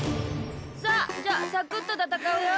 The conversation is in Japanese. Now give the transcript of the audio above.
さあじゃあサクッとたたかうよ。